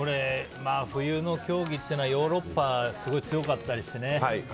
冬の競技っていうのはヨーロッパがすごい強かったりしてね。